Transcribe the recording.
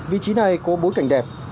vị trí này có bối cảnh đẹp